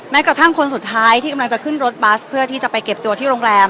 กระทั่งคนสุดท้ายที่กำลังจะขึ้นรถบัสเพื่อที่จะไปเก็บตัวที่โรงแรม